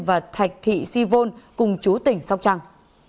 và thạch thị si vôn cùng chú tỉnh sóc trăng